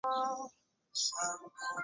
隶辰州府。